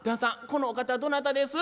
このお方どなたです？」。